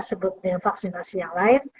sebetulnya vaksinasi yang lain